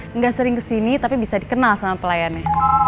nggak sering kesini tapi bisa dikenal sama pelayannya